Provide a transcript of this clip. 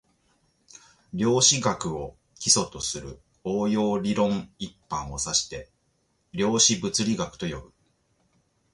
量子力学を基礎とする応用理論一般を指して量子物理学と呼ぶ